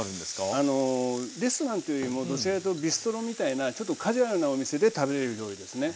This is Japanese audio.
あのレストランというよりもどちらかというとビストロみたいなちょっとカジュアルなお店で食べれる料理ですね。